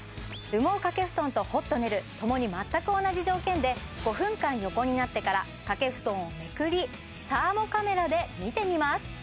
羽毛かけ布団とホットネルともに全く同じ条件で５分間横になってからかけ布団をめくりサーモカメラで見てみます